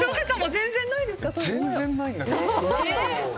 全然ないです。